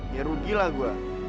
ya rugi lah gua